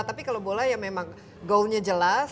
tapi kalau bola ya memang goalnya jelas